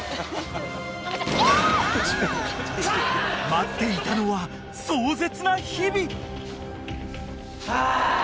［待っていたのは壮絶な日々］